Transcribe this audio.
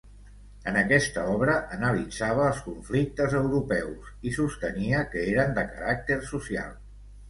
En aquesta obra analitzava els conflictes europeus i sostenia que eren de caràcter social.